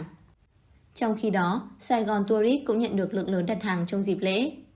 trong khi đó saigon tourist cũng nhận được lực lớn đặt hàng trong dịp lễ